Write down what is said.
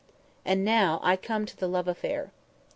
And now I come to the love affair.